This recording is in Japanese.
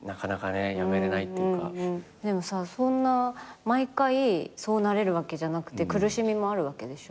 でもさそんな毎回そうなれるわけじゃなくて苦しみもあるわけでしょ。